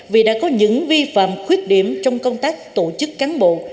vì đã có những vi phạm khuyết điểm trong công tác tổ chức cán bộ